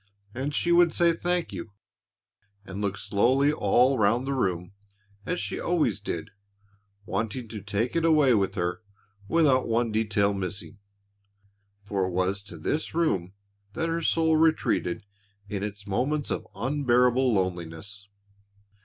And she would say, "Thank you," and look slowly all round the room, as she always did, wanting to take it away with her without one detail missing, for it was to this room that her soul retreated in its moments of unbearable loneliness.